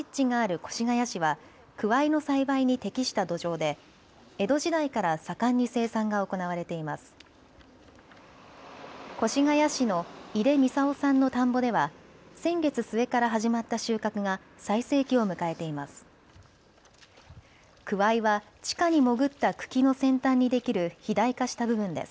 越谷市の井出美三男さんの田んぼでは先月末から始まった収穫が最盛期を迎えています。